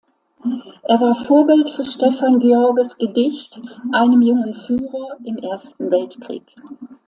Er war Vorbild für Stefan Georges Gedicht "Einem jungen Führer im Ersten Weltkrieg".